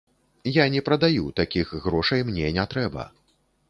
Я не прадаю, такіх грошай мне не трэба.